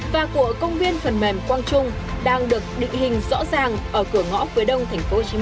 và của công viên phần mềm quang trung đang được định hình rõ ràng ở cửa ngõ phía đông tp hcm